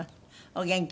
お元気？